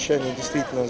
của giới thiệu